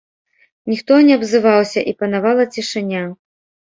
Ніхто не абзываўся, і панавала цішыня.